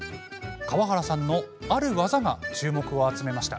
川原さんのある技が注目を集めました。